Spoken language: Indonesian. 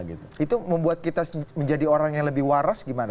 itu membuat kita menjadi orang yang lebih waras gimana